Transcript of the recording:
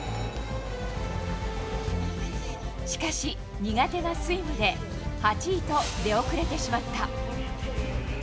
しかし、苦手なスイムで８位と出遅れてしまった。